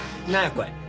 これ。